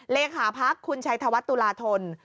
เลขาพักคุณชัยธวัฒน์ตุลาธน